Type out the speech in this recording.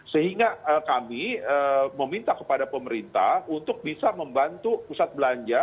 sehingga kami meminta kepada pemerintah untuk bisa membantu pusat belanja